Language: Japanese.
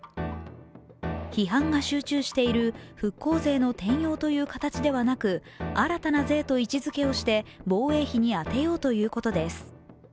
批判が集中している復興税の転用という形ではなく新たな税と位置づけをして防衛費に充てようということです。